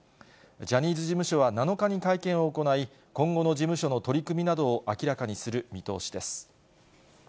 ジャニーズ事務所は７日に会見を行い、今後の事務所の取り組みなどを明らかにする見通しです。